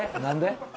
何で？